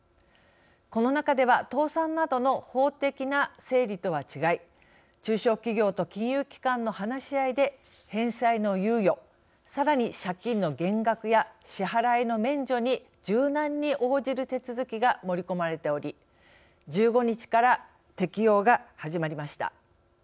この中では、倒産などの法的な整理とは違い中小企業と金融機関の話し合いで返済の猶予、さらに借金の減額や支払いの免除に柔軟に応じる手続きが盛り込まれており１５日から適用が始まりました。